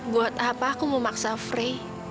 buat apa aku memaksa frey